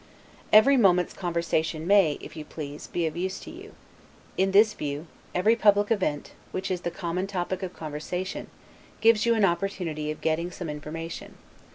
Every moment's conversation may, if you please, be of use to you; in this view, every public event, which is the common topic of conversation, gives you an opportunity of getting some information.